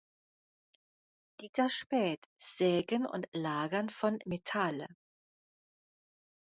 Dieter Spath: "Sägen und Lagern von Metall".